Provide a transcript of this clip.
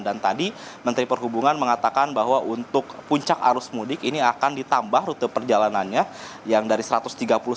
dan tadi menteri perhubungan mengatakan bahwa untuk puncak arus mudik ini akan ditambah rute perjalanannya yang dari satu ratus tiga puluh satu ini sampai satu ratus empat puluh enam rute perjalanan